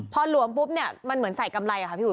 พอหลวมปุ๊บเนี่ยมันเหมือนใส่กำไรอะค่ะพี่อุ